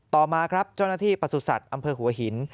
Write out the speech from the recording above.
ต่อมาครับเจ้าหน้าที่ประสุทธิ์อำเภอหัวหิน